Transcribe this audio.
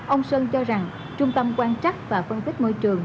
ông sơn cho rằng trung tâm quan chắc và phân tích môi trường